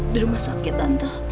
di rumah sakit tante